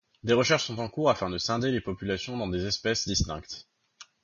Des recherches sont en cours afin de scinder ces populations dans des espèces distinctes.